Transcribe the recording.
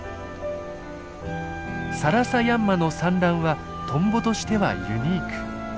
サラサヤンマの産卵はトンボとしてはユニーク。